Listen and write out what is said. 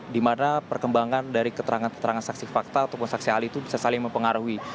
di mana perkembangan dari keterangan keterangan saksi fakta ataupun saksi ahli itu bisa saling mempengaruhi